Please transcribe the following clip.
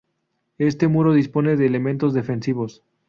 Este muro dispone de elementos defensivos.